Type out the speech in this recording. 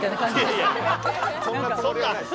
そんなつもりはないです。